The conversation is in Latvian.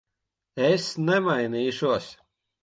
Es nemainīšos.